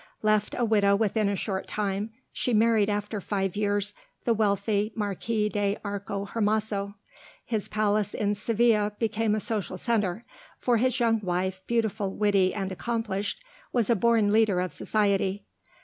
Left a widow within a short time, she married after five years the wealthy Marquis de Arco Hermaso. His palace in Seville became a social centre, for his young wife, beautiful, witty, and accomplished, was a born leader of society.